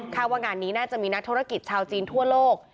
ว่างานนี้น่าจะมีนักธุรกิจชาวจีนทั่วโลก